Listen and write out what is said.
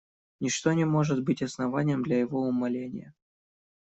Ничто не может быть основанием для его умаления.